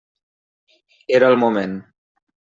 Era el moment.